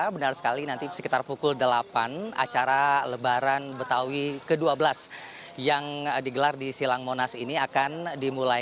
benar sekali nanti sekitar pukul delapan acara lebaran betawi ke dua belas yang digelar di silang monas ini akan dimulai